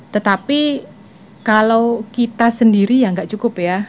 tetapi kalau kita sendiri ya nggak cukup ya